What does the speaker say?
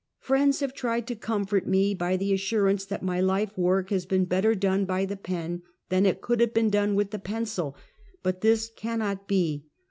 Friends have tried to comfort me by the assurance that my life work has been better done by the pen, than it could have been with the pencil, but this can not be.